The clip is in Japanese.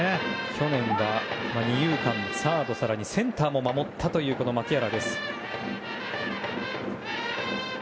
去年は二遊間、サード更にセンターも守った牧原。